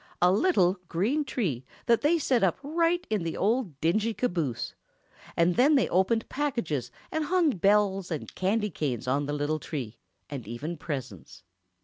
A little, green tree that they set up right in the old, dingy caboose; and then they opened packages and hung balls and candy canes on the little tree, and even presents.